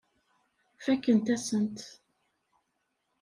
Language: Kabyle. Fakkent-as-ten.